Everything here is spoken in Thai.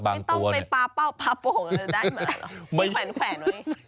ไม่ต้องไปป้าเป้าป้าโป่งเลยได้มาหรอก